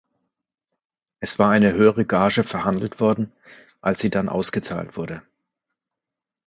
Es war eine höhere Gage verhandelt worden als sie dann ausgezahlt wurde.